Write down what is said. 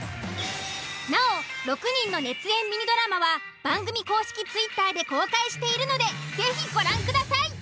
なお６人の熱演ミニドラマは番組公式Ｔｗｉｔｔｅｒで公開しているので是非ご覧ください。